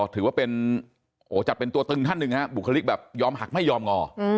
ถือว่าเป็นจัดเป็นตัวตึงท่านหนึ่งฮะบุคลิกแบบยอมหักไม่ยอมงอ